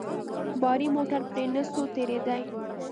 باري موټر پرې نه سو تېرېداى.